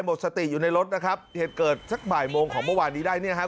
หมดสติอยู่ในรถนะครับเหตุเกิดสักบ่ายโมงของเมื่อวานนี้ได้เนี่ยฮะ